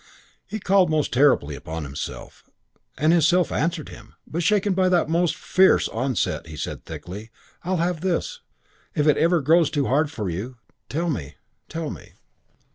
He called most terribly upon himself, and his self answered him; but shaken by that most fierce onset he said thickly, "I'll have this. If ever it grows too hard for you, tell me tell me."